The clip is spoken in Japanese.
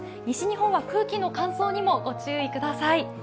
西日本は空気の乾燥にも、ご注意ください。